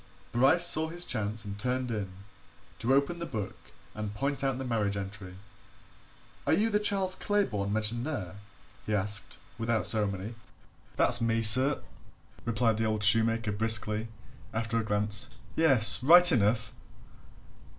Bryce saw his chance and turned in to open the book and point out the marriage entry. "Are you the Charles Claybourne mentioned there?" he asked, without ceremony. "That's me, sir!" replied the old shoemaker briskly, after a glance. "Yes right enough!"